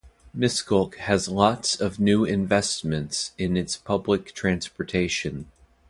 Miskolc has lots of new investments in its public transportation.